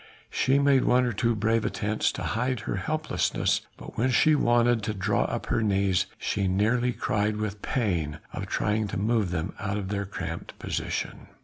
She made one or two brave attempts to hide her helplessness, but when she wanted to draw up her knees, she nearly cried with the pain of trying to move them out of their cramped position.